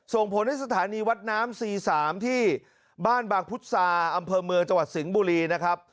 ส่งผลให้สถานีวัดน้ำ๔๓ที่บ้านบางพุทธศาอำเภอเมืองจังหวัดสิงห์บุรีนะครับ